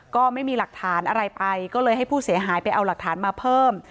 ก็ไม่มีหลักฐานอะไรไปก็เลยให้ผู้เสียหายไปเอาหลักฐานมาเพิ่ม